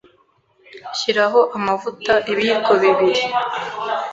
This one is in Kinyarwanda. shyiraho amavuta ibiyiko bibiri